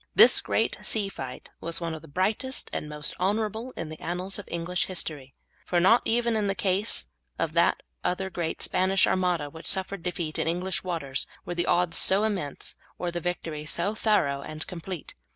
This great sea fight was one of the brightest and most honourable in the annals of English history, for not even in the case of that other great Spanish Armada which suffered defeat in English waters were the odds so immense or the victory so thorough and complete.